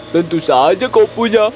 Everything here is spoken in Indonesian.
tentu saja kau punya